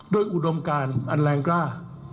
อุดมการอันแรงกล้า